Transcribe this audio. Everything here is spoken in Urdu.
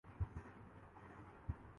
اپنی شرٹ اندر کرو